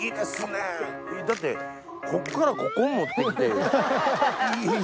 だってこっからここ持って来て。